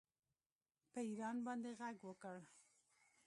په ایران باندې غږ وکړ